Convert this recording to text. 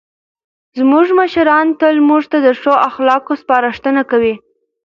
زموږ مشران تل موږ ته د ښو اخلاقو سپارښتنه کوي.